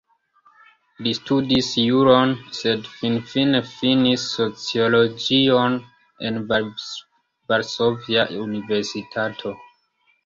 Li studis juron, sed finfine finis sociologion en Varsovia Universitato.